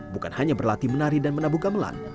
bukan hanya berlatih menari dan menabuh gamelan